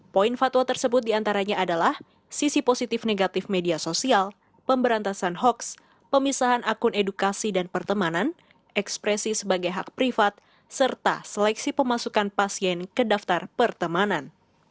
poin fatwa tersebut diantaranya adalah sisi positif negatif media sosial pemberantasan hoax pemisahan akun edukasi dan pertemanan ekspresi sebagai hak privat serta seleksi pemasukan pasien ke daftar pertemanan